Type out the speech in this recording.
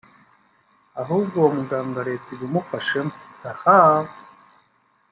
ahubwo uwo muganga leta ibimufashemo ahaaaaaa